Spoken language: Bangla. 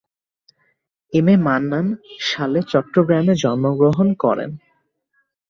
এম এ মান্নান সালে চট্টগ্রামে জন্মগ্রহণ করেন।